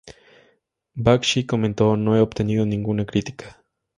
Bakshi comentó "No he obtenido ninguna crítica.